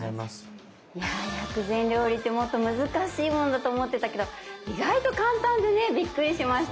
薬膳料理ってもっと難しいものだと思ってたけど意外と簡単でねびっくりしました。